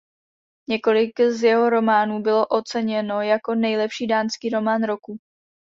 Několik z jeho románů byl oceněno jako nejlepší dánský román roku.